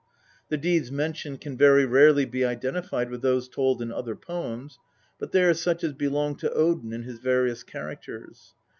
The deeds mentioned can very rarely be identified with those told in other poems, but they are such as belonged to Odin in his various characters.